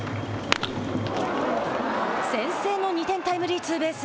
先制の２点タイムリーツーベース。